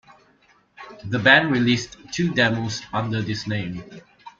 The band released two demos under this name.